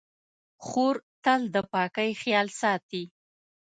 خور تل د پاکۍ خیال ساتي.